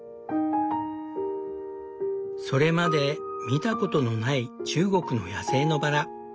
それまで見たことのない中国の野生のバラ。